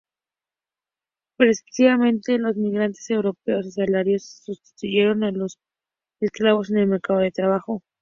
Progresivamente, los inmigrantes europeos asalariados sustituyeron a los esclavos en el mercado de trabajo.